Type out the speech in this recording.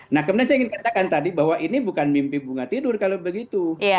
nah kemudian saya ingin katakan tadi bahwa ini bukan mimpi bunga tidur kalau begitu